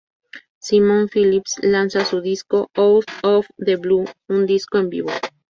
Simon Phillips lanza su disco "Out Of The Blue", un disco en vivo.